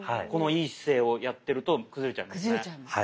この良い姿勢をやってると崩れちゃいますね。